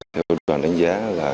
theo đoàn đánh giá